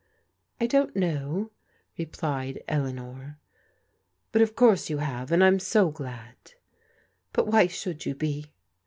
" I don't know," replied Eleanor. " But of course you have, and I'm so glad." " But why should you be